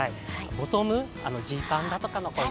ボトム、ジーパンだとかの方が。